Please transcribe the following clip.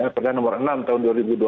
perda nomor enam tahun dua ribu dua puluh